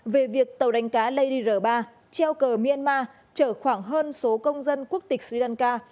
về việc tàu đánh cá lady r ba treo cờ myanmar trở khoảng hơn số công dân quốc tịch sri lanka